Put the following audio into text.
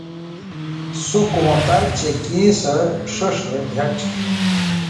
سو کونتر چہء کیں سو ݜئیݜ رے بھیٹ